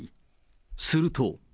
すると。